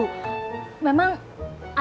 memang ada yang lain ya